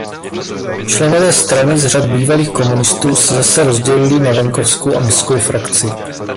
Členové strany z řad bývalých komunistů se zase rozdělili na venkovskou a městskou frakci.